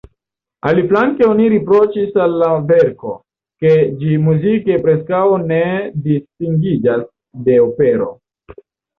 Aliaflanke oni riproĉis al la verko, ke ĝi muzike preskaŭ ne distingiĝas de opero.